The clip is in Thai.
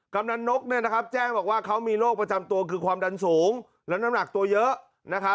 กำลังนกแจ้งบอกว่าเขามีโรคประจำตัวคือความดันสูงและน้ำหนักตัวเยอะนะครับ